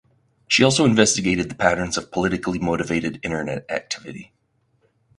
She also investigated the patterns of politically motivated internet activity.